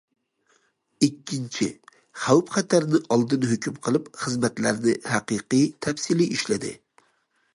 ئىككىنچى، خەۋپ- خەتەرنى ئالدىن ھۆكۈم قىلىپ، خىزمەتلەرنى ھەقىقىي، تەپسىلىي ئىشلىدى.